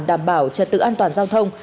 đảm bảo trật tự an toàn giao thông